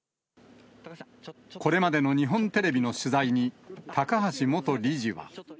これまでの日本テレビの取材に、高橋元理事は。